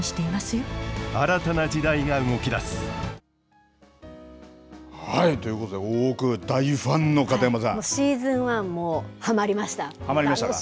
新たな時代が動き出す。ということで、大奥、大ファンの片山さん、はまりましたか。